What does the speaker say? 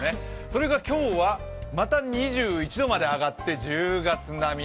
それが今日は、また２１度まで上がって１０月並み。